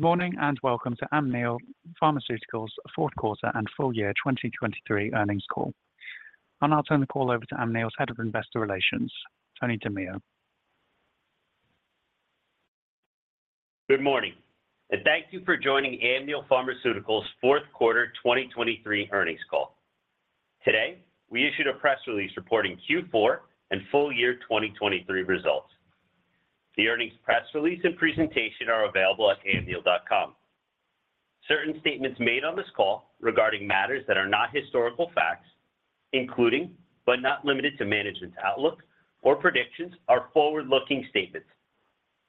Good morning and welcome to Amneal Pharmaceuticals' Fourth Quarter and Full Year 2023 Earnings Call. I'll turn the call over to Amneal's Head of Investor Relations, Tony DiMeo. Good morning, and thank you for joining Amneal Pharmaceuticals' fourth quarter 2023 earnings call. Today we issued a press release reporting Q4 and full year 2023 results. The earnings press release and presentation are available at amneal.com. Certain statements made on this call regarding matters that are not historical facts, including but not limited to management's outlook or predictions, are forward-looking statements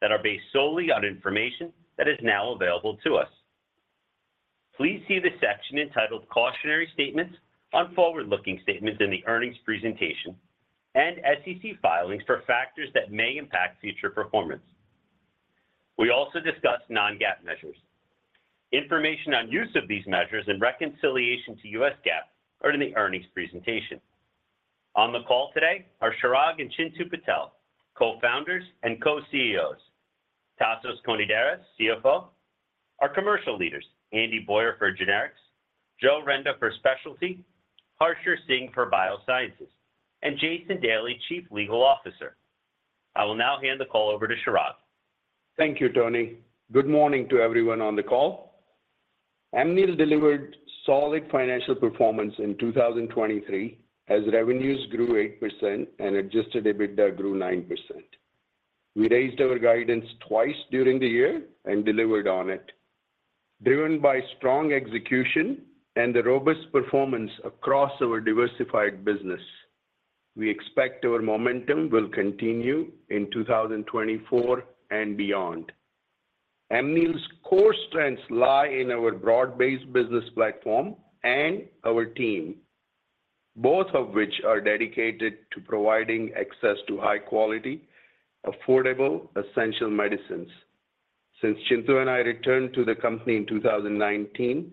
that are based solely on information that is now available to us. Please see the section entitled "Cautionary Statements" on forward-looking statements in the earnings presentation and SEC filings for factors that may impact future performance. We also discuss non-GAAP measures. Information on use of these measures and reconciliation to U.S. GAAP are in the earnings presentation. On the call today are Chirag and Chintu Patel, co-founders and co-CEOs, Tasos Konidaris, CFO, our commercial leaders, Andy Boyer for generics, Joe Renda for specialty, Harsher Singh for biosciences, and Jason Daly, Chief Legal Officer. I will now hand the call over to Chirag. Thank you, Tony. Good morning to everyone on the call. Amneal delivered solid financial performance in 2023 as revenues grew 8% and Adjusted EBITDA grew 9%. We raised our guidance twice during the year and delivered on it. Driven by strong execution and the robust performance across our diversified business, we expect our momentum will continue in 2024 and beyond. Amneal's core strengths lie in our broad-based business platform and our team, both of which are dedicated to providing access to high-quality, affordable, essential medicines. Since Chintu and I returned to the company in 2019,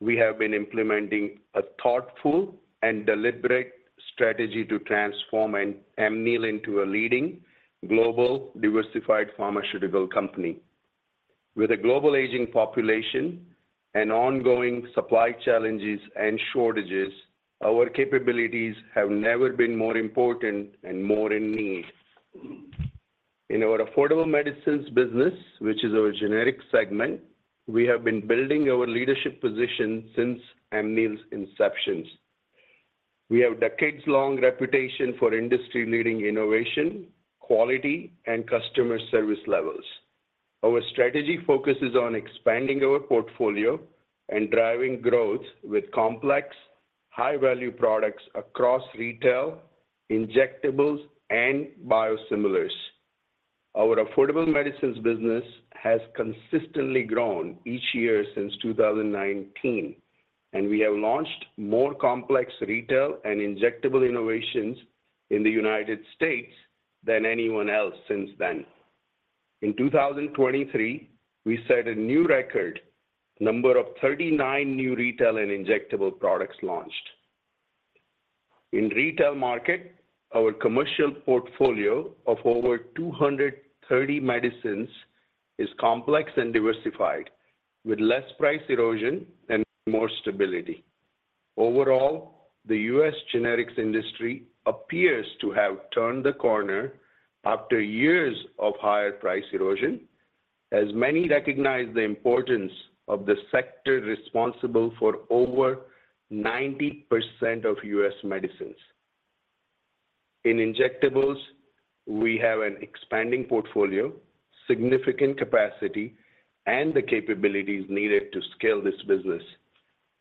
we have been implementing a thoughtful and deliberate strategy to transform Amneal into a leading global diversified pharmaceutical company. With a global aging population and ongoing supply challenges and shortages, our capabilities have never been more important and more in need. In our affordable medicines business, which is our generic segment, we have been building our leadership position since Amneal's inception. We have decades-long reputation for industry-leading innovation, quality, and customer service levels. Our strategy focuses on expanding our portfolio and driving growth with complex, high-value products across retail, injectables, and biosimilars. Our affordable medicines business has consistently grown each year since 2019, and we have launched more complex retail and injectable innovations in the United States than anyone else since then. In 2023, we set a new record number of 39 new retail and injectable products launched. In retail market, our commercial portfolio of over 230 medicines is complex and diversified, with less price erosion and more stability. Overall, the U.S. generics industry appears to have turned the corner after years of higher price erosion, as many recognize the importance of the sector responsible for over 90% of U.S. medicines. In injectables, we have an expanding portfolio, significant capacity, and the capabilities needed to scale this business.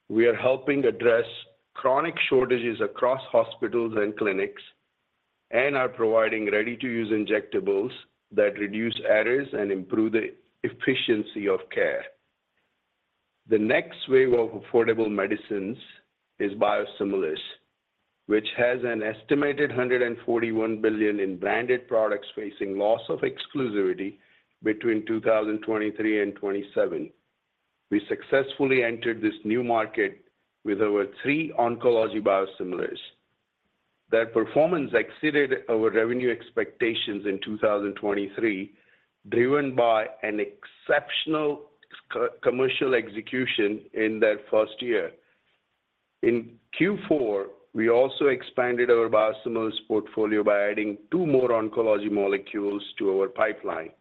We are helping address chronic shortages across hospitals and clinics, and are providing ready-to-use injectables that reduce errors and improve the efficiency of care. The next wave of affordable medicines is biosimilars, which has an estimated $141 billion in branded products facing loss of exclusivity between 2023 and 2027. We successfully entered this new market with over three oncology biosimilars. Their performance exceeded our revenue expectations in 2023, driven by an exceptional commercial execution in their first year. In Q4, we also expanded our biosimilars portfolio by adding two more oncology molecules to our pipeline.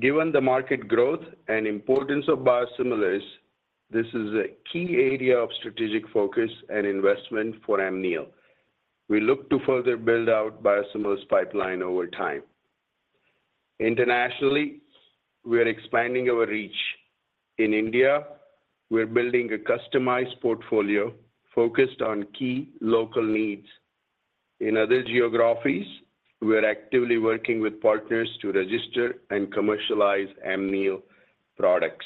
Given the market growth and importance of biosimilars, this is a key area of strategic focus and investment for Amneal. We look to further build out biosimilars pipeline over time. Internationally, we are expanding our reach. In India, we are building a customized portfolio focused on key local needs. In other geographies, we are actively working with partners to register and commercialize Amneal products.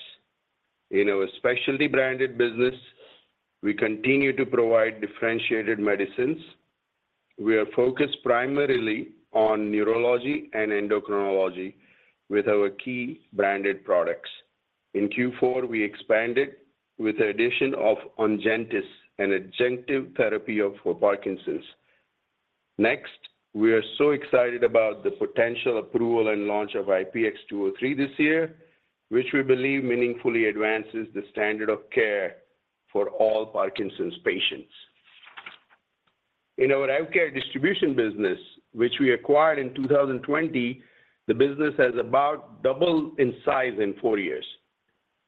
In our specialty branded business, we continue to provide differentiated medicines. We are focused primarily on neurology and endocrinology with our key branded products. In Q4, we expanded with the addition of Ongentys, an adjunctive therapy for Parkinson's. Next, we are so excited about the potential approval and launch of IPX203 this year, which we believe meaningfully advances the standard of care for all Parkinson's patients. In our healthcare distribution business, which we acquired in 2020, the business has about doubled in size in four years.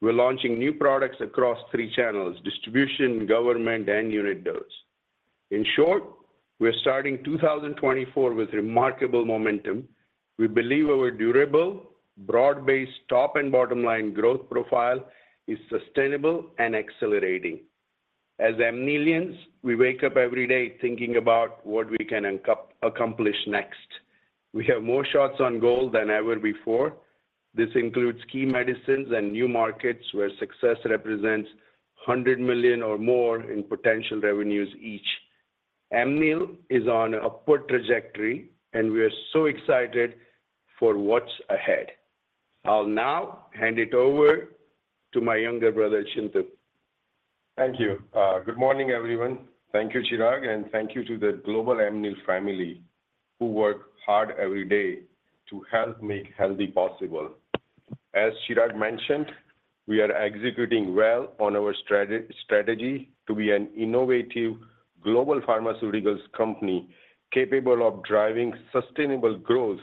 We're launching new products across three channels: distribution, government, and unit dose. In short, we're starting 2024 with remarkable momentum. We believe our durable, broad-based top and bottom line growth profile is sustainable and accelerating. As Amnealians, we wake up every day thinking about what we can accomplish next. We have more shots on goal than ever before. This includes key medicines and new markets where success represents $100 million or more in potential revenues each. Amneal is on an upward trajectory, and we are so excited for what's ahead. I'll now hand it over to my younger brother, Chintu. Thank you. Good morning, everyone. Thank you, Chirag, and thank you to the global Amneal family who work hard every day to help make healthy possible. As Chirag mentioned, we are executing well on our strategy to be an innovative global pharmaceuticals company capable of driving sustainable growth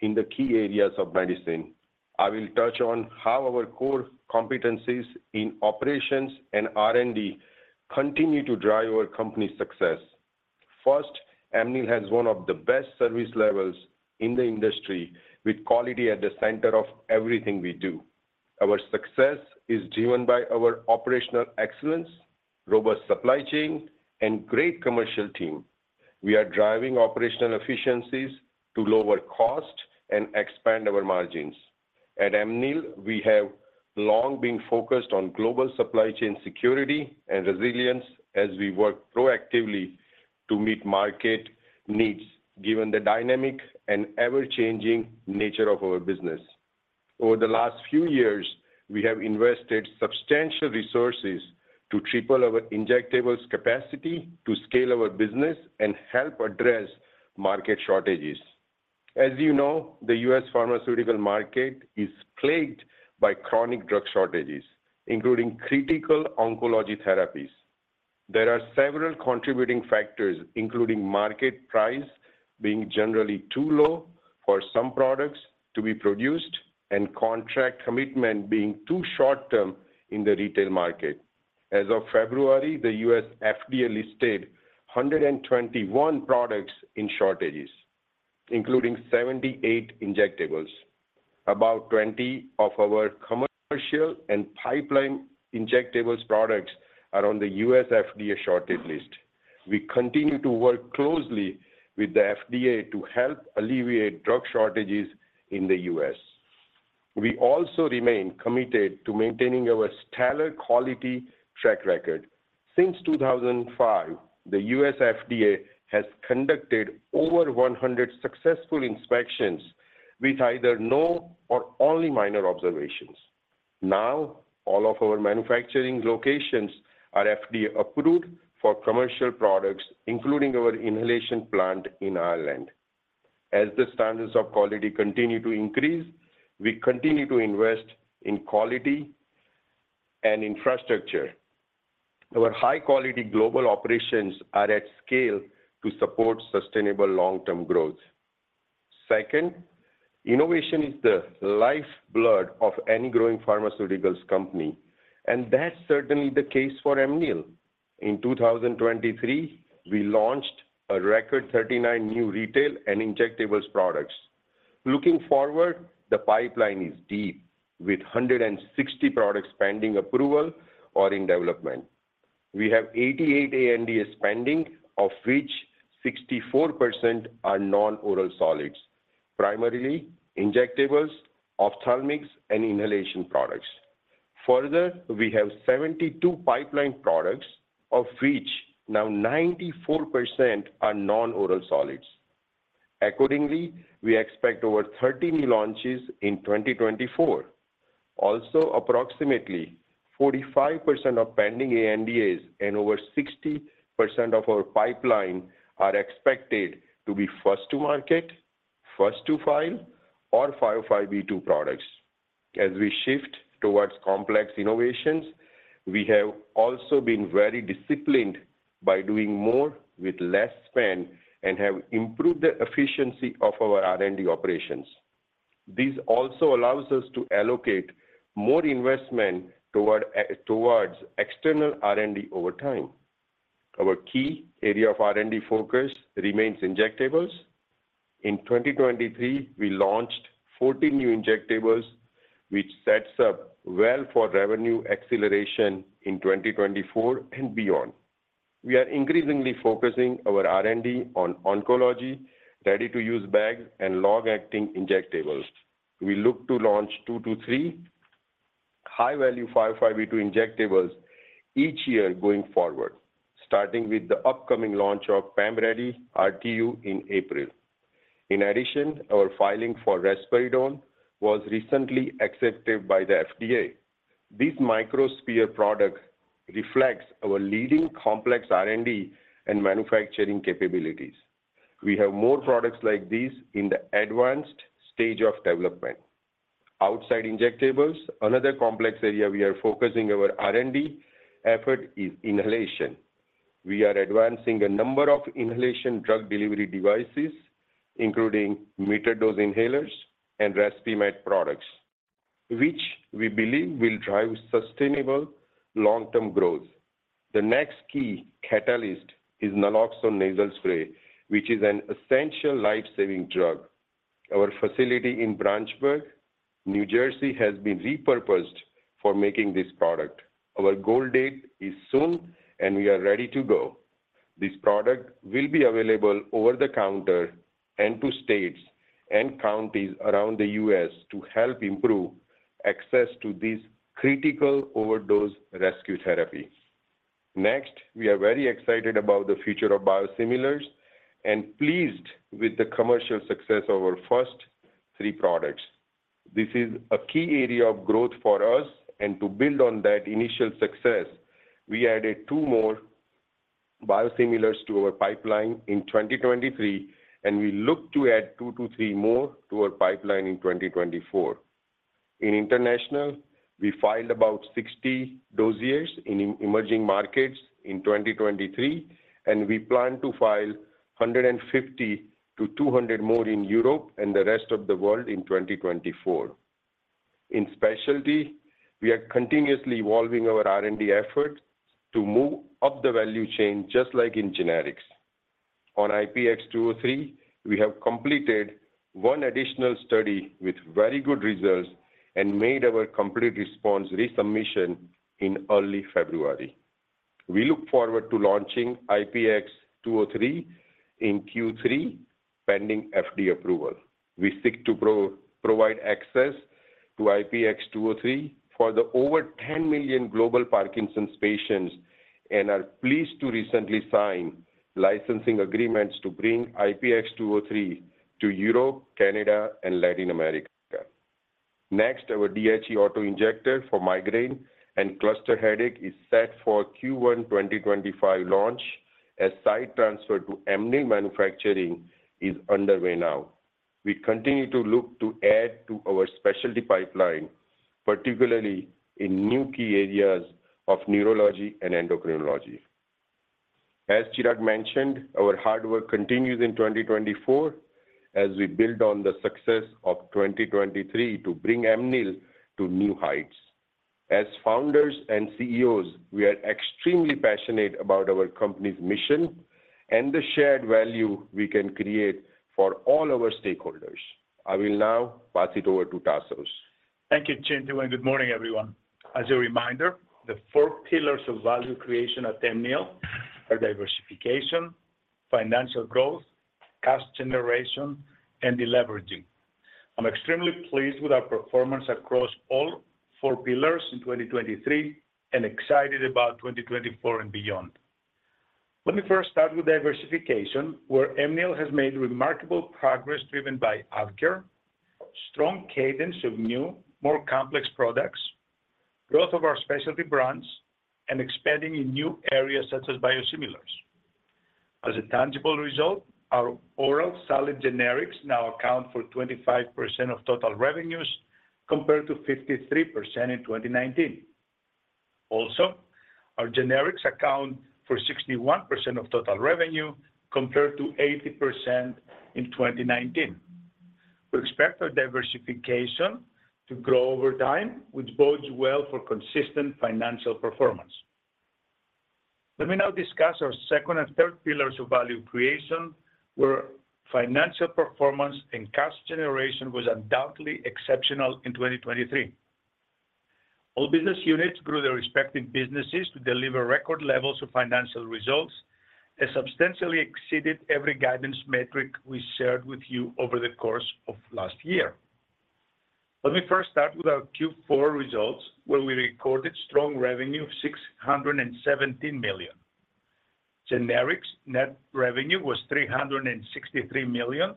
in the key areas of medicine. I will touch on how our core competencies in operations and R&D continue to drive our company's success. First, Amneal has one of the best service levels in the industry, with quality at the center of everything we do. Our success is driven by our operational excellence, robust supply chain, and great commercial team. We are driving operational efficiencies to lower cost and expand our margins. At Amneal, we have long been focused on global supply chain security and resilience as we work proactively to meet market needs given the dynamic and ever-changing nature of our business. Over the last few years, we have invested substantial resources to triple our injectables capacity, to scale our business, and help address market shortages. As you know, the U.S. pharmaceutical market is plagued by chronic drug shortages, including critical oncology therapies. There are several contributing factors, including market price being generally too low for some products to be produced and contract commitment being too short-term in the retail market. As of February, the U.S. FDA listed 121 products in shortages, including 78 injectables. About 20 of our commercial and pipeline injectables products are on the U.S. FDA shortage list. We continue to work closely with the FDA to help alleviate drug shortages in the U.S. We also remain committed to maintaining our stellar quality track record. Since 2005, the U.S. FDA has conducted over 100 successful inspections with either no or only minor observations. Now, all of our manufacturing locations are FDA-approved for commercial products, including our inhalation plant in Ireland. As the standards of quality continue to increase, we continue to invest in quality and infrastructure. Our high-quality global operations are at scale to support sustainable long-term growth. Second, innovation is the lifeblood of any growing pharmaceuticals company, and that's certainly the case for Amneal. In 2023, we launched a record 39 new retail and injectables products. Looking forward, the pipeline is deep, with 160 products pending approval or in development. We have 88 ANDAs pending, of which 64% are non-oral solids, primarily injectables, ophthalmics, and inhalation products. Further, we have 72 pipeline products, of which now 94% are non-oral solids. Accordingly, we expect over 30 new launches in 2024. Also, approximately 45% of pending ANDAs and over 60% of our pipeline are expected to be first-to-market, first-to-file, or 505(b)(2) products. As we shift towards complex innovations, we have also been very disciplined by doing more with less spend and have improved the efficiency of our R&D operations. This also allows us to allocate more investment towards external R&D over time. Our key area of R&D focus remains injectables. In 2023, we launched 14 new injectables, which sets up well for revenue acceleration in 2024 and beyond. We are increasingly focusing our R&D on oncology, ready-to-use bags, and long-acting injectables. We look to launch two-three high-value 505(b)(2) injectables each year going forward, starting with the upcoming launch of PEMRYDI RTU in April. In addition, our filing for risperidone was recently accepted by the FDA. This microsphere product reflects our leading complex R&D and manufacturing capabilities. We have more products like these in the advanced stage of development. Outside injectables, another complex area we are focusing our R&D effort is inhalation. We are advancing a number of inhalation drug delivery devices, including metered-dose inhalers and Respimat products, which we believe will drive sustainable long-term growth. The next key catalyst is Naloxone Nasal Spray, which is an essential life-saving drug. Our facility in Branchburg, New Jersey, has been repurposed for making this product. Our gold date is soon, and we are ready to go. This product will be available over-the-counter and to states and counties around the U.S. to help improve access to this critical overdose rescue therapy. Next, we are very excited about the future of biosimilars and pleased with the commercial success of our first three products. This is a key area of growth for us, and to build on that initial success, we added two more biosimilars to our pipeline in 2023, and we look to add two to three more to our pipeline in 2024. In international, we filed about 60 dossiers in emerging markets in 2023, and we plan to file 150-200 more in Europe and the rest of the world in 2024. In specialty, we are continuously evolving our R&D efforts to move up the value chain just like in generics. On IPX203, we have completed one additional study with very good results and made our complete response resubmission in early February. We look forward to launching IPX203 in Q3 pending FDA approval. We seek to provide access to IPX203 for the over 10 million global Parkinson's patients and are pleased to recently sign licensing agreements to bring IPX203 to Europe, Canada, and Latin America. Next, our DHE Autoinjector for migraine and cluster headache is set for Q1 2025 launch, as site transfer to Amneal manufacturing is underway now. We continue to look to add to our specialty pipeline, particularly in new key areas of neurology and endocrinology. As Chirag mentioned, our hard work continues in 2024 as we build on the success of 2023 to bring Amneal to new heights. As founders and CEOs, we are extremely passionate about our company's mission and the shared value we can create for all our stakeholders. I will now pass it over to Tasos. Thank you, Chintu. Good morning, everyone. As a reminder, the four pillars of value creation at Amneal are diversification, financial growth, cost generation, and deleveraging. I'm extremely pleased with our performance across all four pillars in 2023 and excited about 2024 and beyond. Let me first start with diversification, where Amneal has made remarkable progress driven by healthcare, strong cadence of new, more complex products, growth of our specialty brands, and expanding in new areas such as biosimilars. As a tangible result, our oral solid generics now account for 25% of total revenues compared to 53% in 2019. Also, our generics account for 61% of total revenue compared to 80% in 2019. We expect our diversification to grow over time, which bodes well for consistent financial performance. Let me now discuss our second and third pillars of value creation, where financial performance and cash generation were undoubtedly exceptional in 2023. All business units grew their respective businesses to deliver record levels of financial results that substantially exceeded every guidance metric we shared with you over the course of last year. Let me first start with our Q4 results, where we recorded strong revenue of $617 million. Generics net revenue was $363 million,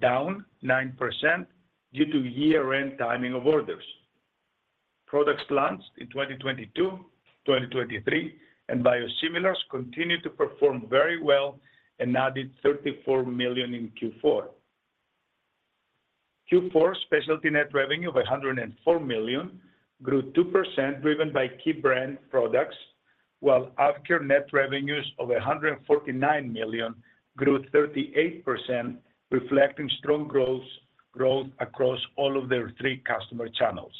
down 9% due to year-end timing of orders. Products launched in 2022, 2023, and biosimilars continued to perform very well and added $34 million in Q4. Q4 specialty net revenue of $104 million grew 2% driven by key brand products, while healthcare net revenues of $149 million grew 38%, reflecting strong growth across all of their three customer channels.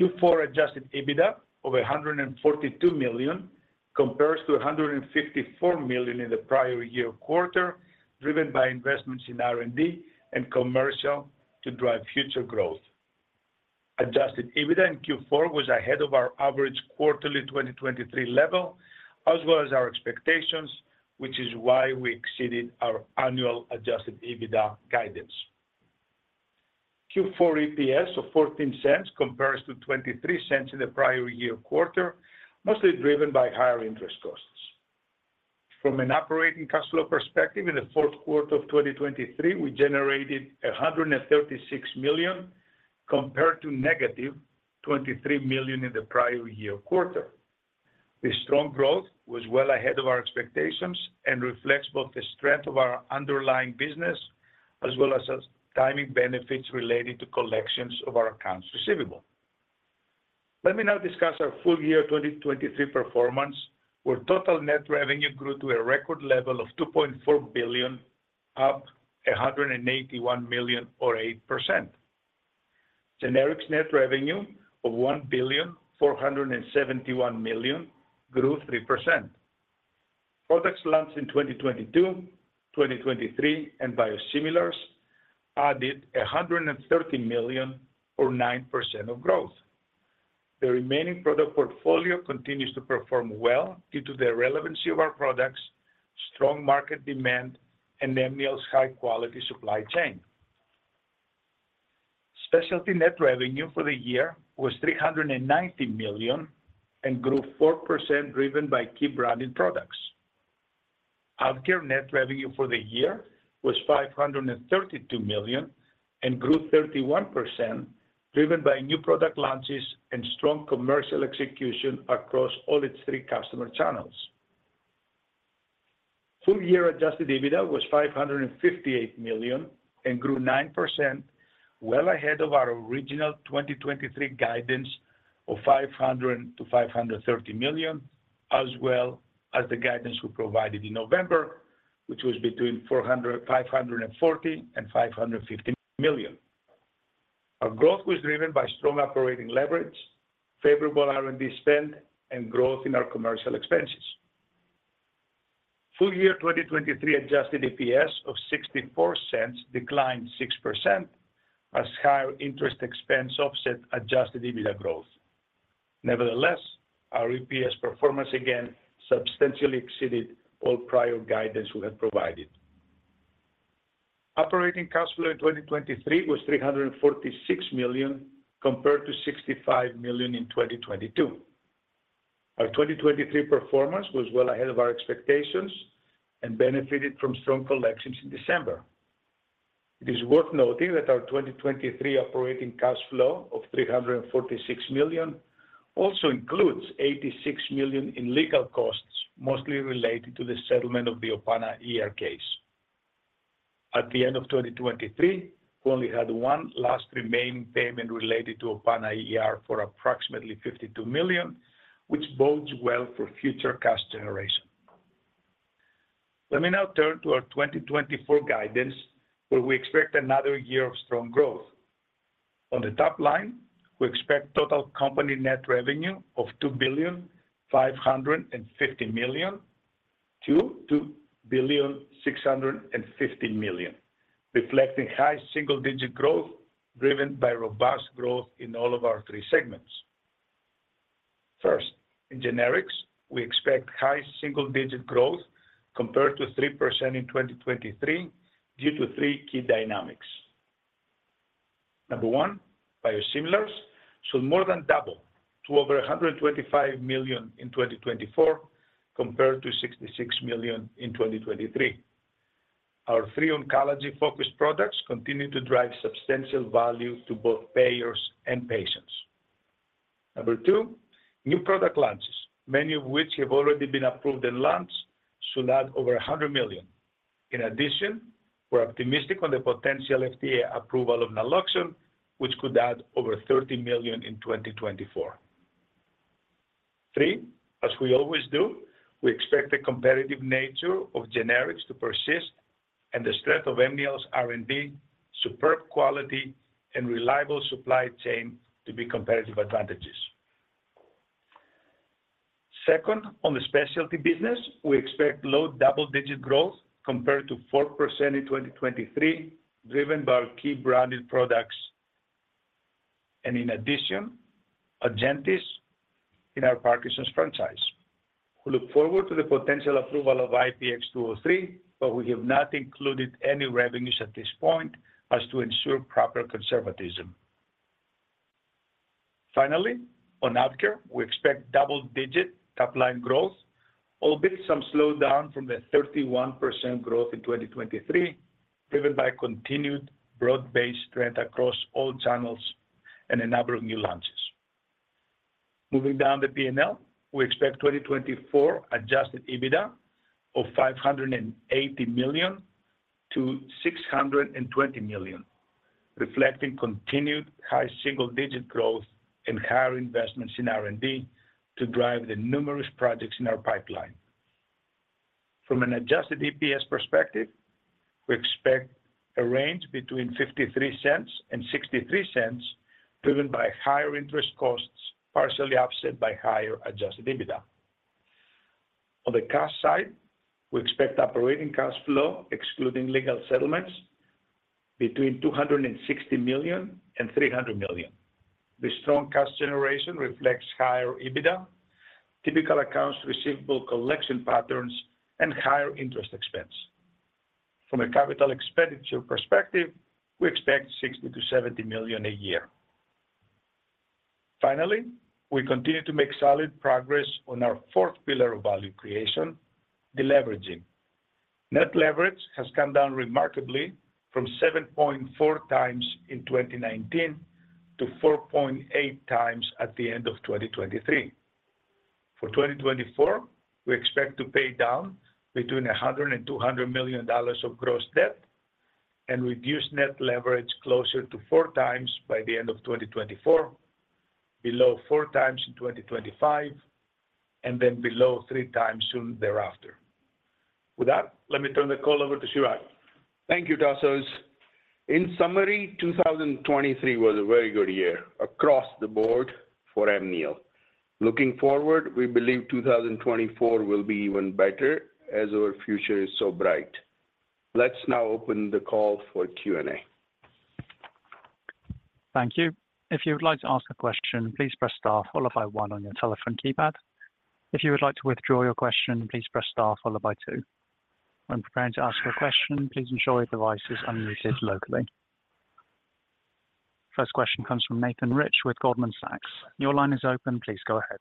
Q4 adjusted EBITDA of $142 million compared to $154 million in the prior year quarter, driven by investments in R&D and commercial to drive future growth. Adjusted EBITDA in Q4 was ahead of our average quarterly 2023 level, as well as our expectations, which is why we exceeded our annual adjusted EBITDA guidance. Q4 EPS of $0.14 compared to $0.23 in the prior year quarter, mostly driven by higher interest costs. From an operating cash flow perspective, in the fourth quarter of 2023, we generated $136 million compared to -$23 million in the prior year quarter. This strong growth was well ahead of our expectations and reflects both the strength of our underlying business as well as timing benefits related to collections of our accounts receivable. Let me now discuss our full year 2023 performance, where total net revenue grew to a record level of $2.4 billion, up $181 million or 8%. Generics net revenue of $1 billion, $471 million grew 3%. Products launched in 2022, 2023, and biosimilars added $130 million or 9% of growth. The remaining product portfolio continues to perform well due to the relevancy of our products, strong market demand, and Amneal's high-quality supply chain. Specialty net revenue for the year was $390 million and grew 4% driven by key branded products. Healthcare net revenue for the year was $532 million and grew 31% driven by new product launches and strong commercial execution across all its three customer channels. Full year adjusted EBITDA was $558 million and grew 9%, well ahead of our original 2023 guidance of $500 million-$530 million, as well as the guidance we provided in November, which was between $540 million and $550 million. Our growth was driven by strong operating leverage, favorable R&D spend, and growth in our commercial expenses. Full year 2023 adjusted EPS of $0.64 declined 6% as higher interest expense offset adjusted EBITDA growth. Nevertheless, our EPS performance again substantially exceeded all prior guidance we had provided. Operating cash flow in 2023 was $346 million compared to $65 million in 2022. Our 2023 performance was well ahead of our expectations and benefited from strong collections in December. It is worth noting that our 2023 operating cash flow of $346 million also includes $86 million in legal costs, mostly related to the settlement of the Opana case. At the end of 2023, we only had one last remaining payment related to Opana for approximately $52 million, which bodes well for future cost generation. Let me now turn to our 2024 guidance, where we expect another year of strong growth. On the top line, we expect total company net revenue of $2.55 billion-$2.65 billion, reflecting high single-digit growth driven by robust growth in all of our three segments. First, in generics, we expect high single-digit growth compared to 3% in 2023 due to three key dynamics. Number one, biosimilars should more than double to over $125 million in 2024 compared to $66 million in 2023. Our three oncology-focused products continue to drive substantial value to both payers and patients. Number two, new product launches, many of which have already been approved and launched, should add over $100 million. In addition, we're optimistic on the potential FDA approval of naloxone, which could add over $30 million in 2024. Three, as we always do, we expect the competitive nature of generics to persist and the strength of Amneal's R&D, superb quality, and reliable supply chain to be competitive advantages. Second, on the specialty business, we expect low double-digit growth compared to 4% in 2023 driven by our key branded products and, in addition, Ongentys in our Parkinson's franchise. We look forward to the potential approval of IPX203, but we have not included any revenues at this point as to ensure proper conservatism. Finally, on healthcare, we expect double-digit top-line growth, albeit some slowdown from the 31% growth in 2023 driven by continued broad-based strength across all channels and a number of new launches. Moving down the P&L, we expect 2024 adjusted EBITDA of $580 million-$620 million, reflecting continued high single-digit growth and higher investments in R&D to drive the numerous projects in our pipeline. From an adjusted EPS perspective, we expect a range between $0.53 and $0.63 driven by higher interest costs partially offset by higher adjusted EBITDA. On the cost side, we expect operating cash flow, excluding legal settlements, between $260 million and $300 million. This strong cost generation reflects higher EBITDA, typical accounts receivable collection patterns, and higher interest expense. From a capital expenditure perspective, we expect $60 million-$70 million a year. Finally, we continue to make solid progress on our fourth pillar of value creation, deleveraging. Net leverage has come down remarkably from 7.4 times in 2019 to 4.8 times at the end of 2023. For 2024, we expect to pay down between $100 million and $200 million of gross debt and reduce net leverage closer to 4x by the end of 2024, below 4x in 2025, and then below 3x soon thereafter. With that, let me turn the call over to Chirag. Thank you, Tasos. In summary, 2023 was a very good year across the board for Amneal. Looking forward, we believe 2024 will be even better as our future is so bright. Let's now open the call for Q&A. Thank you. If you would like to ask a question, please press star followed by one on your telephone keypad. If you would like to withdraw your question, please press star followed by two. When preparing to ask your question, please ensure your device is unmuted locally. First question comes from Nathan Rich with Goldman Sachs. Your line is open. Please go ahead.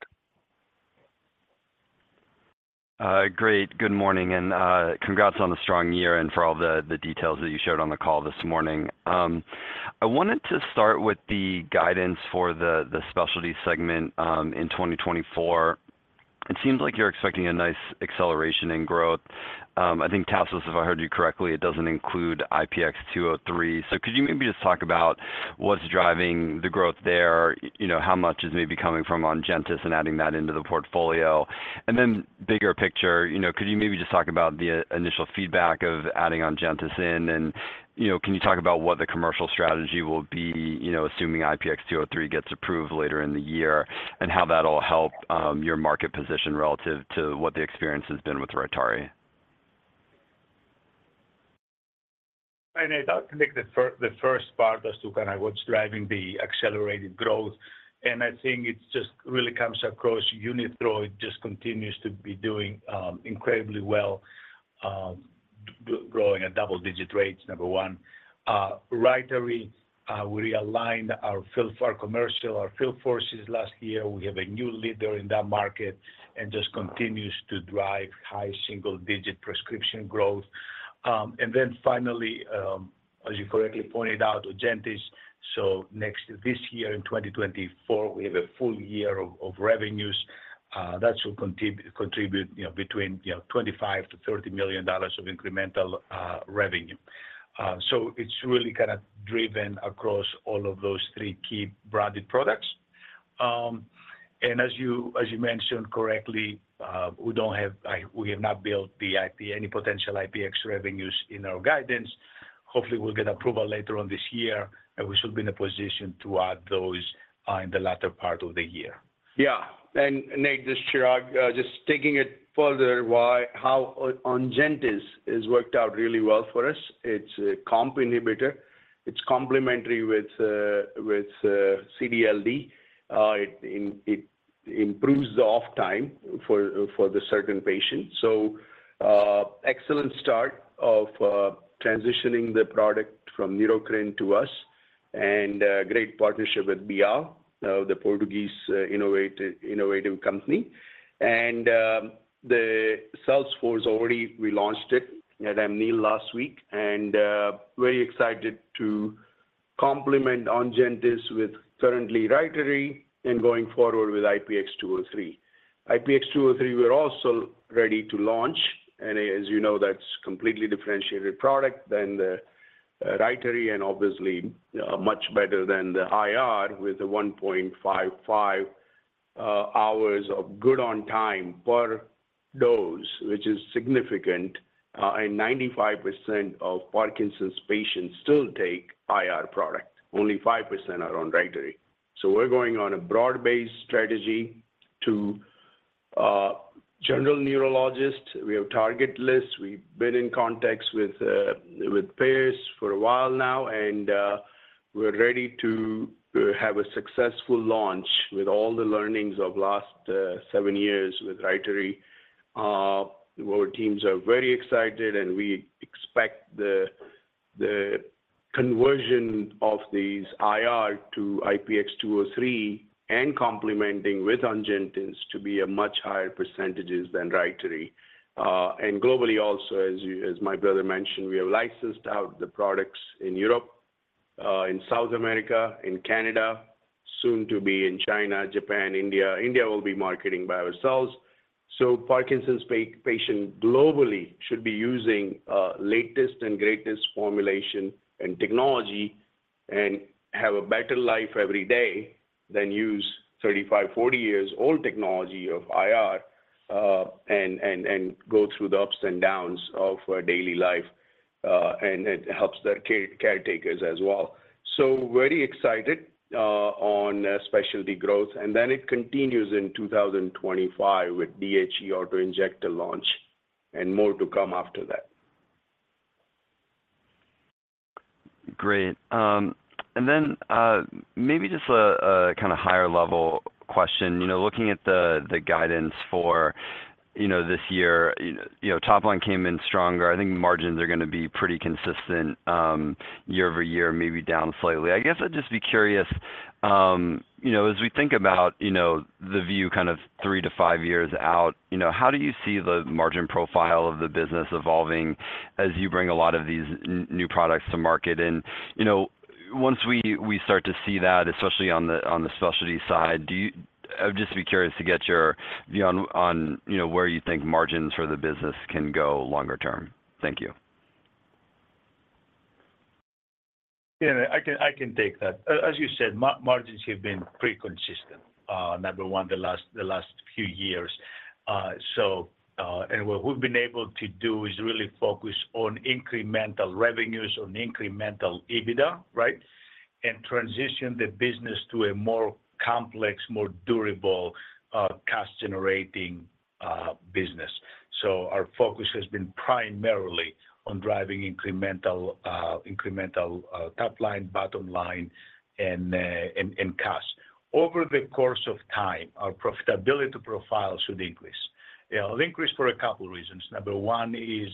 Great. Good morning and congrats on the strong year and for all the details that you showed on the call this morning. I wanted to start with the guidance for the specialty segment in 2024. It seems like you're expecting a nice acceleration in growth. I think, Tasos, if I heard you correctly, it doesn't include IPX203. So could you maybe just talk about what's driving the growth there? How much is maybe coming from Ongentys and adding that into the portfolio? And then, bigger picture, could you maybe just talk about the initial feedback of adding Ongentys in? And can you talk about what the commercial strategy will be assuming IPX203 gets approved later in the year and how that'll help your market position relative to what the experience has been with Rytary? I thought I can take the first part as to kind of what's driving the accelerated growth. And I think it just really comes across Unithroid just continues to be doing incredibly well, growing at double-digit rates, number one. Rytary, we realigned our field force for commercial, our field forces last year. We have a new leader in that market and just continues to drive high single-digit prescription growth. And then finally, as you correctly pointed out, Ongentys. So next this year in 2024, we have a full year of revenues that should contribute between $25 million-$30 million of incremental revenue. So it's really kind of driven across all of those three key branded products. And as you mentioned correctly, we have not built any potential IPX revenues in our guidance. Hopefully, we'll get approval later on this year and we should be in a position to add those in the latter part of the year. Yeah. And Nate, just Chirag, just taking it further, how Ongentys has worked out really well for us. It's a COMT inhibitor. It's complementary with CD/LD. It improves the off time for certain patients. So excellent start of transitioning the product from Neurocrine to us and great partnership with BIAL, the Portuguese innovative company. And the sales force, already we launched it at Amneal last week and very excited to complement Ongentys with currently Rytary and going forward with IPX203. IPX203, we're also ready to launch. And as you know, that's a completely differentiated product than the Rytary and obviously much better than the IR with the 1.55 hours of good on time per dose, which is significant. And 95% of Parkinson's patients still take IR product. Only 5% are on Rytary. So we're going on a broad-based strategy to general neurologists. We have target lists. We've been in context with payers for a while now and we're ready to have a successful launch with all the learnings of last seven years with Rytary. Our teams are very excited and we expect the conversion of these IR to IPX203 and complementing with Ongentys to be a much higher percentage than Rytary. Globally also, as my brother mentioned, we have licensed out the products in Europe, in South America, in Canada, soon to be in China, Japan, India. India will be marketing by ourselves. Parkinson's patients globally should be using latest and greatest formulation and technology and have a better life every day than use 35, 40 years old technology of IR and go through the ups and downs of daily life. It helps their caretakers as well. Very excited on specialty growth. Then it continues in 2025 with DHE Autoinjector launch and more to come after that. Great. And then maybe just a kind of higher-level question. Looking at the guidance for this year, top line came in stronger. I think margins are going to be pretty consistent year-over-year, maybe down slightly. I guess I'd just be curious, as we think about the view kind of three to five years out, how do you see the margin profile of the business evolving as you bring a lot of these new products to market? And once we start to see that, especially on the specialty side, I'd just be curious to get your view on where you think margins for the business can go longer term. Thank you. Yeah. I can take that. As you said, margins have been pretty consistent, number one, the last few years. And what we've been able to do is really focus on incremental revenues, on incremental EBITDA, right, and transition the business to a more complex, more durable cash-generating business. So our focus has been primarily on driving incremental top line, bottom line, and costs. Over the course of time, our profitability profile should increase. It'll increase for a couple of reasons. Number one is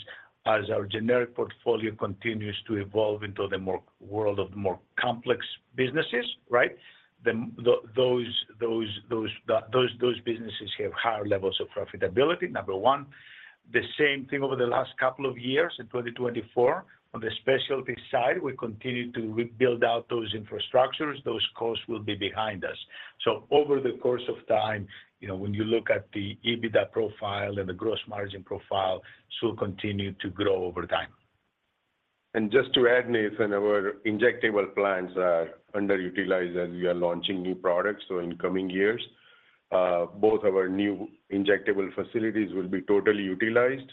as our generic portfolio continues to evolve into the world of more complex businesses, right, those businesses have higher levels of profitability, number one. The same thing over the last couple of years in 2024. On the specialty side, we continue to build out those infrastructures. Those costs will be behind us. Over the course of time, when you look at the EBITDA profile and the gross margin profile, it should continue to grow over time. Just to add, Nathan, our injectable plants are underutilized as we are launching new products. In coming years, both our new injectable facilities will be totally utilized,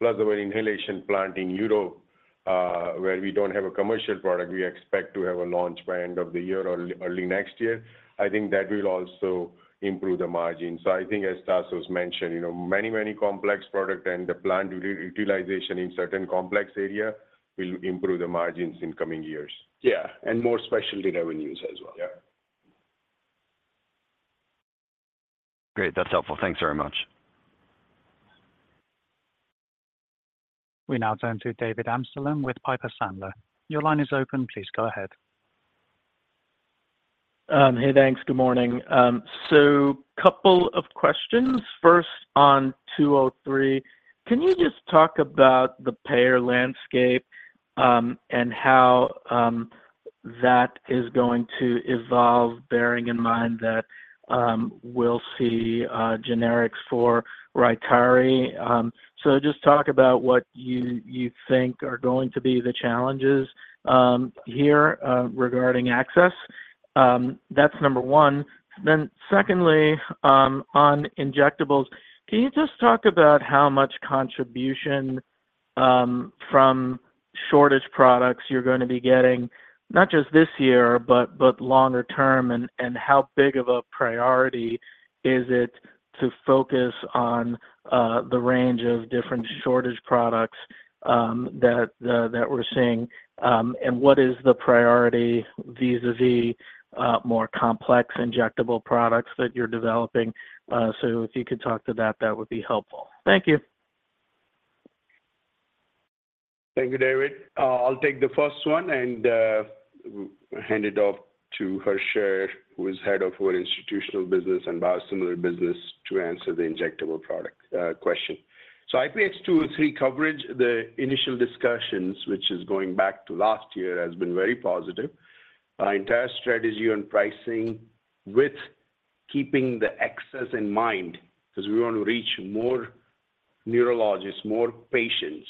plus our inhalation plant in Europe, where we don't have a commercial product, we expect to have a launch by end of the year or early next year. I think that will also improve the margins. I think, as Tasos mentioned, many, many complex products and the plant utilization in certain complex areas will improve the margins in coming years. Yeah. More specialty revenues as well. Yeah. Great. That's helpful. Thanks very much. We now turn to David Amsellem with Piper Sandler. Your line is open. Please go ahead. Hey, thanks. Good morning. So a couple of questions. First, on 203, can you just talk about the payer landscape and how that is going to evolve, bearing in mind that we'll see generics for Rytary? So just talk about what you think are going to be the challenges here regarding access. That's number one. Then secondly, on injectables, can you just talk about how much contribution from shortage products you're going to be getting, not just this year, but longer term, and how big of a priority is it to focus on the range of different shortage products that we're seeing? And what is the priority vis-à-vis more complex injectable products that you're developing? So if you could talk to that, that would be helpful. Thank you. Thank you, David. I'll take the first one and hand it off to Harsher, who is head of our institutional business and biosimilar business to answer the injectable product question. So IPX203 coverage, the initial discussions, which is going back to last year, has been very positive. Entire strategy on pricing with keeping the access in mind because we want to reach more neurologists, more patients,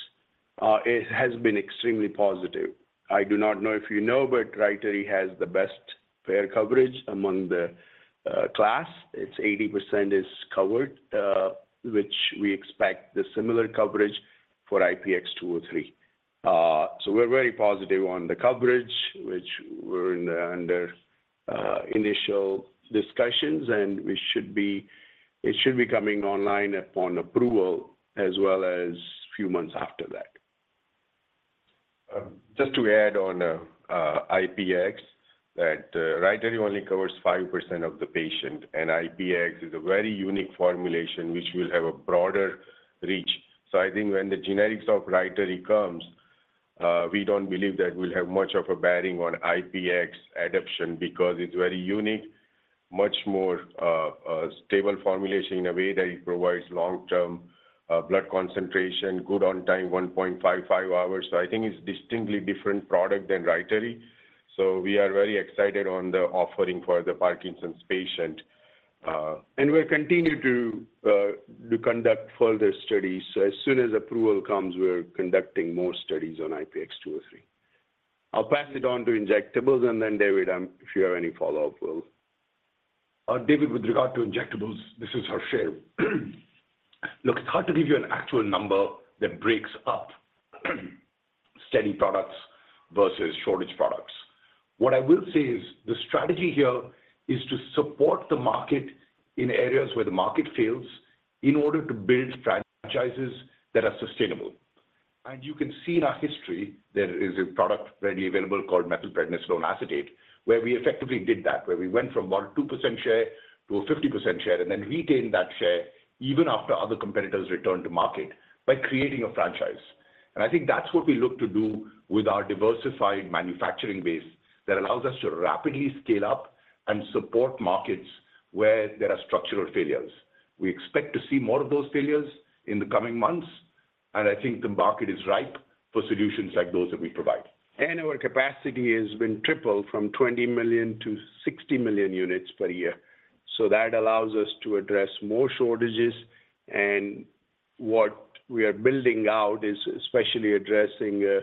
has been extremely positive. I do not know if you know, but Rytary has the best payer coverage among the class. It's 80% is covered, which we expect the similar coverage for IPX203. So we're very positive on the coverage, which we're under initial discussions, and it should be coming online upon approval as well as a few months after that. Just to add on IPX, that Rytary only covers 5% of the patient. IPX is a very unique formulation which will have a broader reach. I think when the generics of Rytary comes, we don't believe that we'll have much of a bearing on IPX adoption because it's very unique, much more stable formulation in a way that it provides long-term blood concentration, good-on-time, 1.55 hours. I think it's a distinctly different product than Rytary. We are very excited on the offering for the Parkinson's patient. We'll continue to conduct further studies. As soon as approval comes, we're conducting more studies on IPX203. I'll pass it on to injectables. Then, David, if you have any follow-up? David, with regard to injectables, this is Harsher. Look, it's hard to give you an actual number that breaks up steady products versus shortage products. What I will say is the strategy here is to support the market in areas where the market fails in order to build franchises that are sustainable. And you can see in our history, there is a product readily available called Methylprednisolone Acetate where we effectively did that, where we went from about a 2% share to a 50% share and then retained that share even after other competitors returned to market by creating a franchise. And I think that's what we look to do with our diversified manufacturing base that allows us to rapidly scale up and support markets where there are structural failures. We expect to see more of those failures in the coming months. I think the market is ripe for solutions like those that we provide. Our capacity has been tripled from 20 million to 60 million units per year. That allows us to address more shortages. What we are building out is especially addressing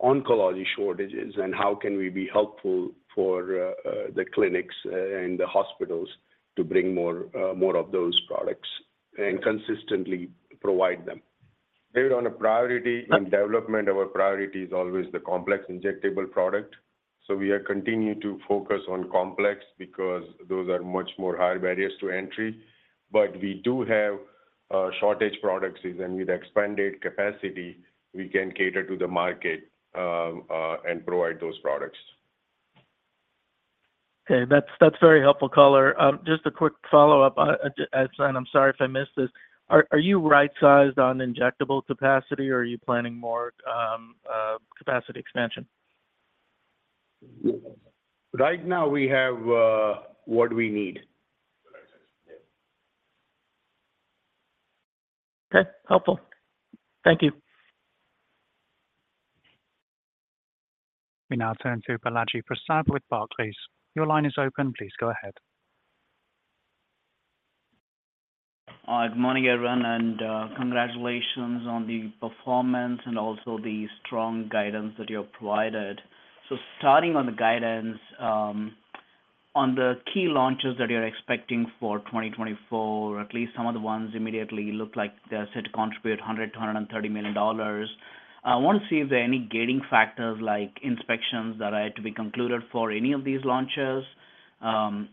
oncology shortages and how can we be helpful for the clinics and the hospitals to bring more of those products and consistently provide them. David, on a priority in development, our priority is always the complex injectable product. We are continuing to focus on complex because those are much more high barriers to entry. We do have shortage products and with expanded capacity, we can cater to the market and provide those products. Okay. That's very helpful color. Just a quick follow-up, and I'm sorry if I missed this. Are you right-sized on injectable capacity or are you planning more capacity expansion? Right now, we have what we need. Okay. Helpful. Thank you. We now turn to Balaji Prasad with Barclays, please. Your line is open. Please go ahead. Good morning, everyone. And congratulations on the performance and also the strong guidance that you have provided. So starting on the guidance, on the key launches that you're expecting for 2024, at least some of the ones immediately look like they're set to contribute $100 million-$130 million. I want to see if there are any gating factors like inspections that are yet to be concluded for any of these launches or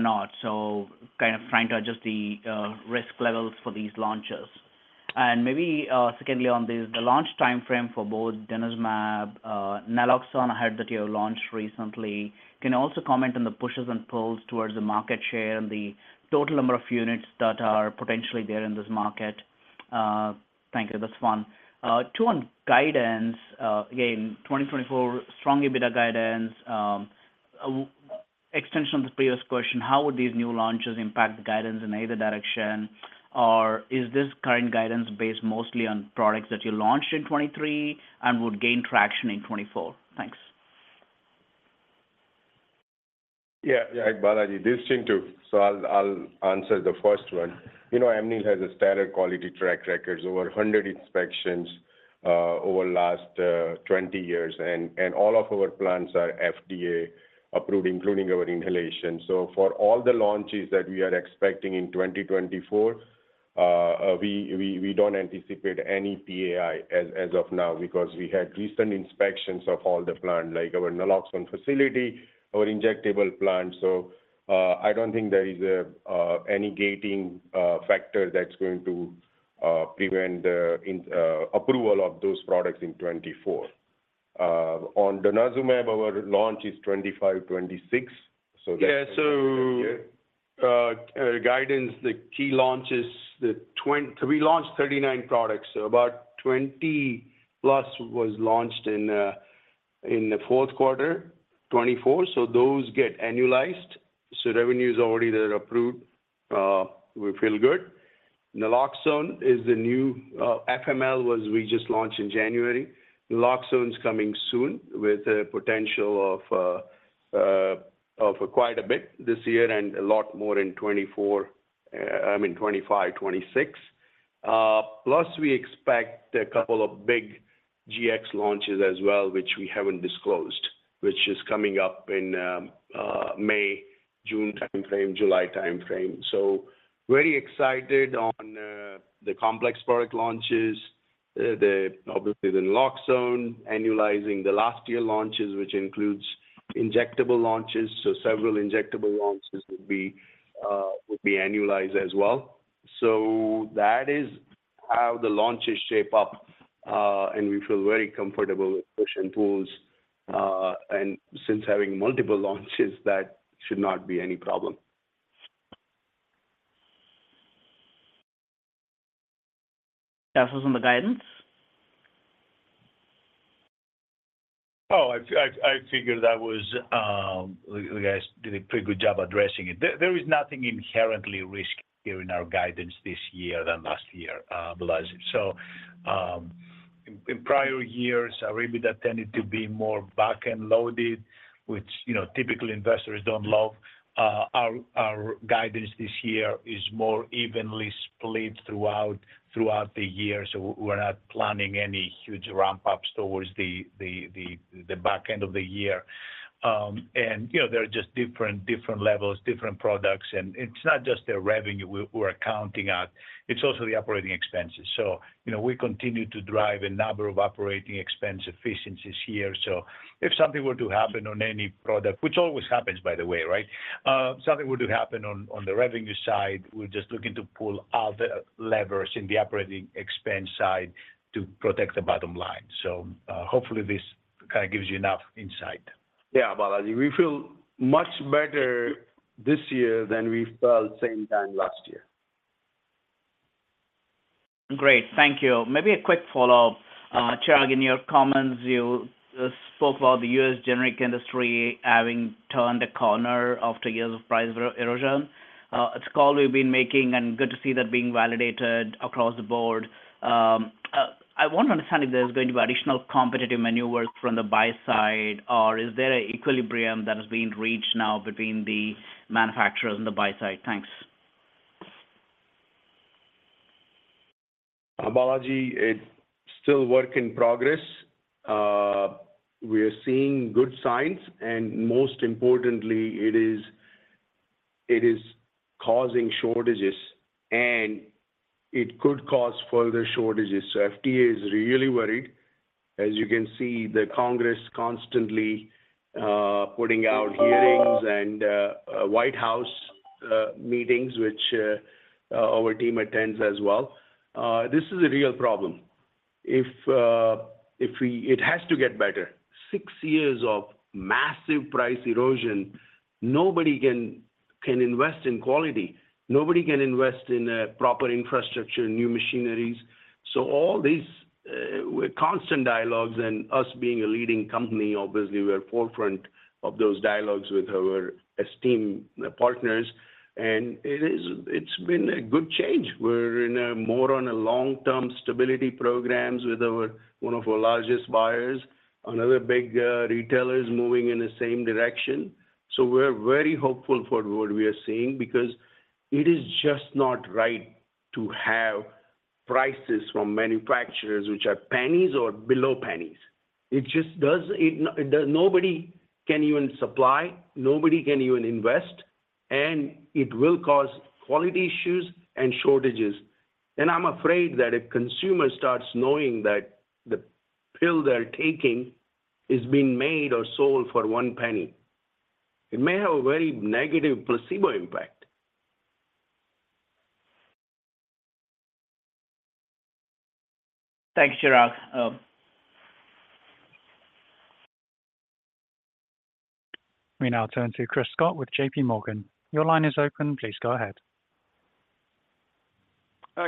not, so kind of trying to adjust the risk levels for these launches. And maybe secondly on this, the launch timeframe for both Denosumab, Naloxone, I heard that you launched recently. Can you also comment on the pushes and pulls towards the market share and the total number of units that are potentially there in this market? Thank you. That's one. Two on guidance. Again, 2024, strong EBITDA guidance. Extension of the previous question, how would these new launches impact the guidance in either direction? Or is this current guidance based mostly on products that you launched in 2023 and would gain traction in 2024? Thanks. Yeah. Yeah. I'd bother you. This chain too. So I'll answer the first one. Amneal has a standard quality track record, over 100 inspections over the last 20 years. And all of our plants are FDA-approved, including our inhalation. So for all the launches that we are expecting in 2024, we don't anticipate any PAI as of now because we had recent inspections of all the plants, like our Naloxone facility, our injectable plant. So I don't think there is any gating factor that's going to prevent the approval of those products in 2024. On Denosumab, our launch is 2025, 2026. So that's the previous year. Yeah. So guidance, the key launch is that we launched 39 products. So about 20-plus was launched in the fourth quarter, 2024. So those get annualized. So revenues already that are approved, we feel good. Naloxone is the new FML was we just launched in January. Naloxone's coming soon with a potential of quite a bit this year and a lot more in 2024 I mean, 2025, 2026. Plus, we expect a couple of big GX launches as well, which we haven't disclosed, which is coming up in May, June timeframe, July timeframe. So very excited on the complex product launches, obviously the Naloxone, annualizing the last-year launches, which includes injectable launches. So several injectable launches would be annualized as well. So that is how the launches shape up. And we feel very comfortable with push and pulls. And since having multiple launches, that should not be any problem. Tasos on the guidance? Oh, I figured that the guys did a pretty good job addressing it. There is nothing inherently risky here in our guidance this year than last year, Balaji. So in prior years, our EBITDA tended to be more back-and-loaded, which typically investors don't love. Our guidance this year is more evenly split throughout the year. So we're not planning any huge ramp-ups towards the back end of the year. And there are just different levels, different products. And it's not just the revenue we're accounting at. It's also the operating expenses. So we continue to drive a number of operating expense efficiencies here. So if something were to happen on any product, which always happens, by the way, right? Something were to happen on the revenue side, we're just looking to pull other levers in the operating expense side to protect the bottom line. Hopefully, this kind of gives you enough insight. Yeah, Balaji. We feel much better this year than we felt same time last year. Great. Thank you. Maybe a quick follow-up. Chirag, in your comments, you spoke about the U.S. generic industry having turned the corner after years of price erosion. It's a call we've been making, and good to see that being validated across the board. I want to understand if there's going to be additional competitive maneuvers from the buy side, or is there an equilibrium that has been reached now between the manufacturers and the buy side? Thanks. Balaji, it's still work in progress. We are seeing good signs. Most importantly, it is causing shortages, and it could cause further shortages. FDA is really worried. As you can see, the Congress is constantly putting out hearings and White House meetings, which our team attends as well. This is a real problem. It has to get better. Six years of massive price erosion, nobody can invest in quality. Nobody can invest in proper infrastructure, new machineries. So all these constant dialogues and us being a leading company, obviously, we're at the forefront of those dialogues with our esteemed partners. It's been a good change. We're more on long-term stability programs with one of our largest buyers, another big retailer moving in the same direction. So we're very hopeful for what we are seeing because it is just not right to have prices from manufacturers which are pennies or below pennies. It just doesn't nobody can even supply. Nobody can even invest. And it will cause quality issues and shortages. And I'm afraid that if consumers start knowing that the pill they're taking has been made or sold for $0.01, it may have a very negative placebo impact. Thanks, Chirag. We now turn to Chris Schott with JPMorgan. Your line is open. Please go ahead.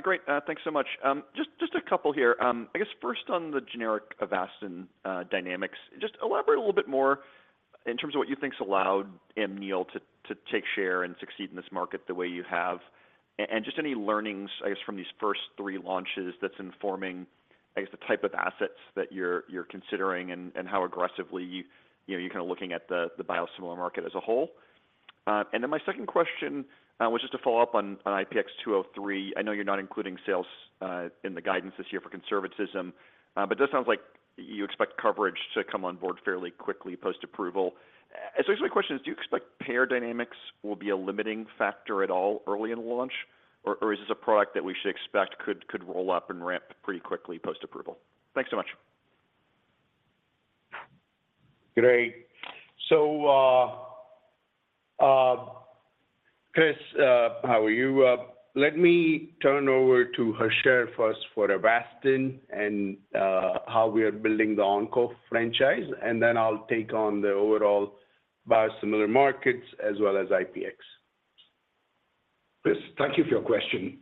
Great. Thanks so much. Just a couple here. I guess first on the generic Avastin dynamics, just elaborate a little bit more in terms of what you think's allowed Amneal to take share and succeed in this market the way you have, and just any learnings, I guess, from these first three launches that's informing, I guess, the type of assets that you're considering and how aggressively you're kind of looking at the biosimilar market as a whole. And then my second question was just to follow up on IPX203. I know you're not including sales in the guidance this year for conservatism, but it does sound like you expect coverage to come on board fairly quickly post-approval. My question is, do you expect payer dynamics will be a limiting factor at all early in the launch, or is this a product that we should expect could roll up and ramp pretty quickly post-approval? Thanks so much. Great. So Chris, how are you? Let me turn over to Harsher first for Avastin and how we are building the oncology franchise. And then I'll take on the overall biosimilar markets as well as IPX. Chris, thank you for your question.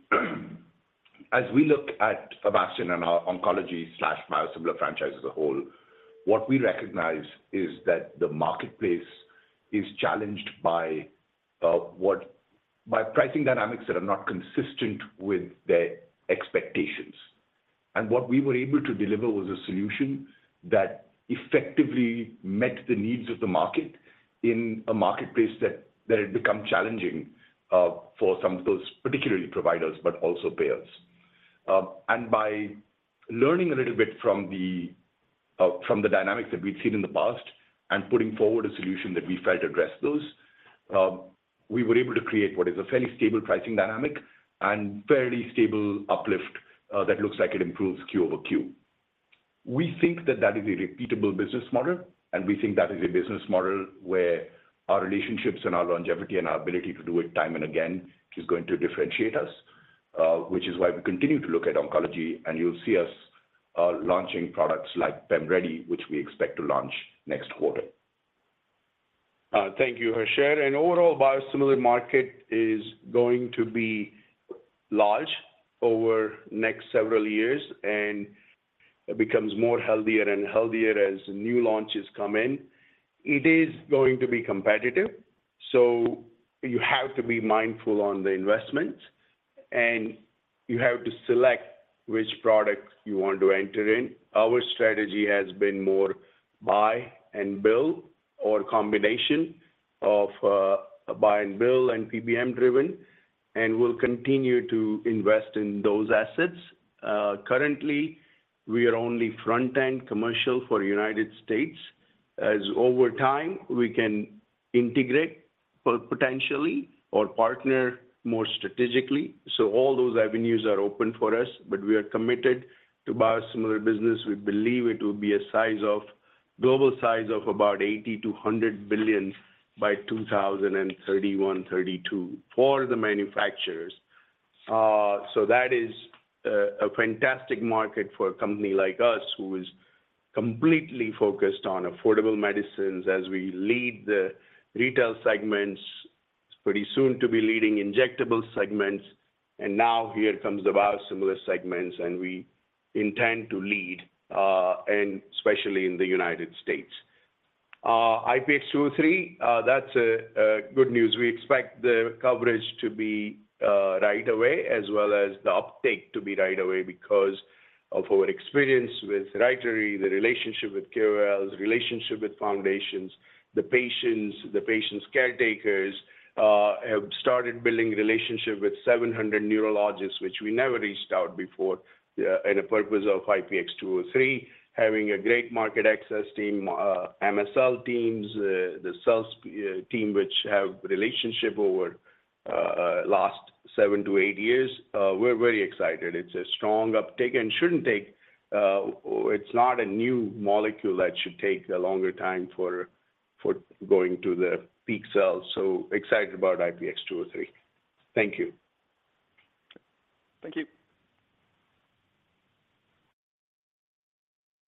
As we look at Avastin and our oncology/biosimilar franchise as a whole, what we recognize is that the marketplace is challenged by pricing dynamics that are not consistent with their expectations. What we were able to deliver was a solution that effectively met the needs of the market in a marketplace that had become challenging for some of those particularly providers, but also payers. By learning a little bit from the dynamics that we'd seen in the past and putting forward a solution that we felt addressed those, we were able to create what is a fairly stable pricing dynamic and fairly stable uplift that looks like it improves Q over Q. We think that that is a repeatable business model. We think that is a business model where our relationships and our longevity and our ability to do it time and again is going to differentiate us, which is why we continue to look at oncology. You'll see us launching products like PamReady, which we expect to launch next quarter. Thank you, Harsher. Overall, the biosimilar market is going to be large over the next several years. It becomes more healthier and healthier as new launches come in. It is going to be competitive. You have to be mindful on the investments. You have to select which product you want to enter in. Our strategy has been more buy and build or a combination of buy and build and PBM-driven, and we'll continue to invest in those assets. Currently, we are only front-end commercial for the United States. As over time, we can integrate potentially or partner more strategically. All those avenues are open for us. We are committed to biosimilar business. We believe it will be a global size of about $80 billion-$100 billion by 2031, 2032 for the manufacturers. So that is a fantastic market for a company like us who is completely focused on affordable medicines as we lead the retail segments, pretty soon to be leading injectable segments. And now here comes the biosimilar segments, and we intend to lead, especially in the United States. IPX203, that's good news. We expect the coverage to be right away as well as the uptake to be right away because of our experience with Rytary, the relationship with KOLs, the relationship with foundations, the patients, the patients' caretakers have started building a relationship with 700 neurologists, which we never reached out before in the purpose of IPX203, having a great market access team, MSL teams, the sales team which have a relationship over the last seven-eight years. We're very excited. It's a strong uptake and shouldn't take. It's not a new molecule that should take a longer time for going to the peak sales. So excited about IPX203. Thank you. Thank you.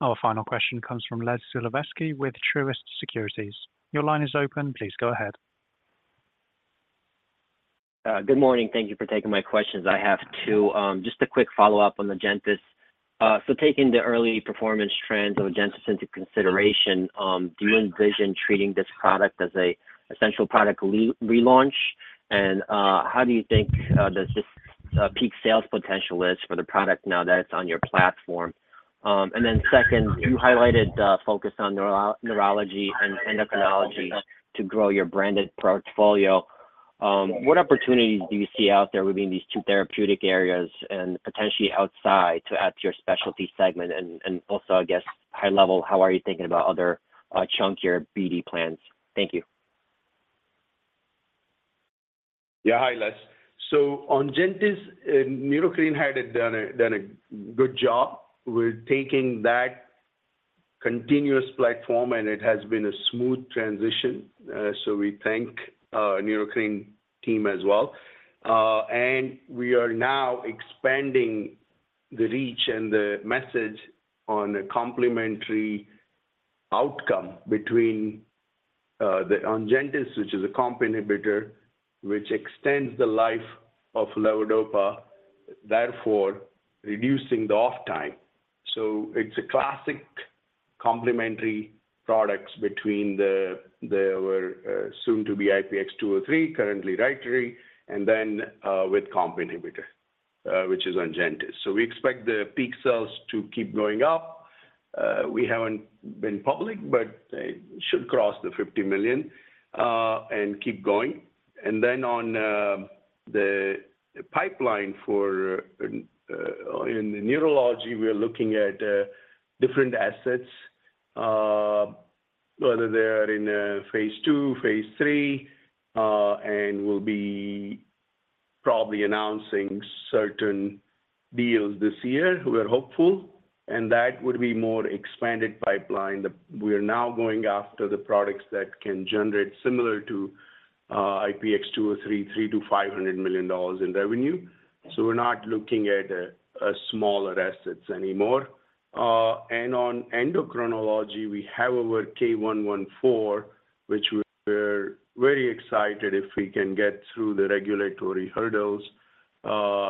Our final question comes from Les Sulewski with Truist Securities. Your line is open. Please go ahead. Good morning. Thank you for taking my questions. I have two. Just a quick follow-up on the Ongentys. So taking the early performance trends of Ongentys into consideration, do you envision treating this product as an essential product relaunch? And how do you think that this peak sales potential is for the product now that it's on your platform? And then second, you highlighted focus on neurology and endocrinology to grow your branded portfolio. What opportunities do you see out there within these two therapeutic areas and potentially outside to add to your specialty segment? And also, I guess, high level, how are you thinking about other chunkier BD plans? Thank you. Yeah. Hi, Les. So on Ongentys, Neurocrine had done a good job with taking that continuous platform, and it has been a smooth transition. So we thank our Neurocrine team as well. We are now expanding the reach and the message on a complementary outcome on Ongentys, which is a COMT inhibitor which extends the life of levodopa, therefore reducing the off-time. So it's a classic complementary product between our soon-to-be IPX203, currently Rytary, and then with COMT inhibitor, which is Ongentys. So we expect the peak sales to keep going up. We haven't been public, but it should cross the $50 million and keep going. Then on the pipeline in the neurology, we are looking at different assets, whether they are in phase II, phase III, and we'll be probably announcing certain deals this year. We're hopeful. That would be a more expanded pipeline. We are now going after the products that can generate similar to IPX203, $300 million-$500 million in revenue. So we're not looking at smaller assets anymore. On endocrinology, we have our K114, which we're very excited if we can get through the regulatory hurdles.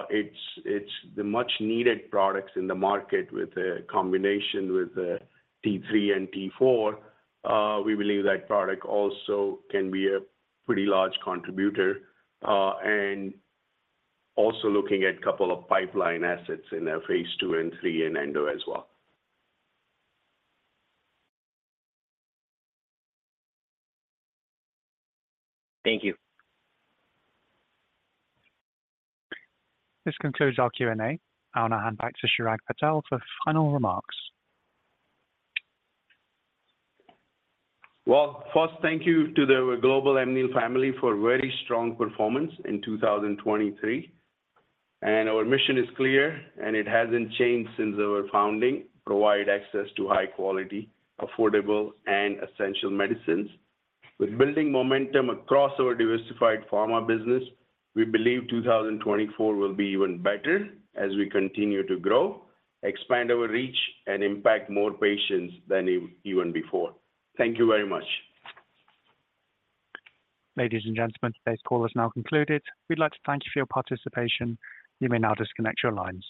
It's the much-needed product in the market with a combination with T3 and T4. We believe that product also can be a pretty large contributor, and also looking at a couple of pipeline assets in phase II and III and endo as well. Thank you. This concludes our Q&A. I'll now hand back to Chirag Patel for final remarks. Well, first, thank you to our global Amneal family for very strong performance in 2023. Our mission is clear, and it hasn't changed since our founding: provide access to high-quality, affordable, and essential medicines. With building momentum across our diversified pharma business, we believe 2024 will be even better as we continue to grow, expand our reach, and impact more patients than even before. Thank you very much. Ladies and gentlemen, today's call is now concluded. We'd like to thank you for your participation. You may now disconnect your lines.